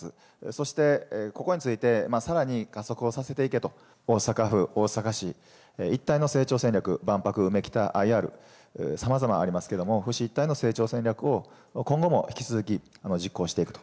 そして、ここについて、さらに加速をさせていけと、大阪府、大阪市、一体の成長戦略、万博、うめきた、ＩＲ、さまざまありますけども、府市一体の成長戦略を、今後も引き続き実行していくと。